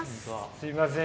すいません